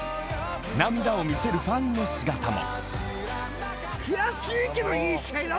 涙を見せるファンの姿も。